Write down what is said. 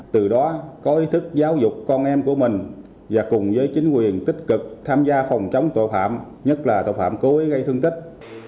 từ đó có ý thức giáo dục con em của mình và cùng với chính quyền tích cực tham gia phòng chống tội phạm nhất là tội phạm cố ý gây thương tích